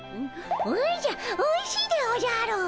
おじゃおいしいでおじゃる！